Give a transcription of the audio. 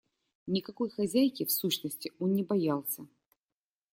Никакой хозяйки, в сущности, он не боялся.